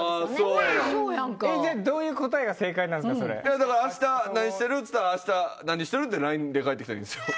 だから「明日何してる？」っつったら「明日何してる」ってＬＩＮＥで返って来たらいいんですよ。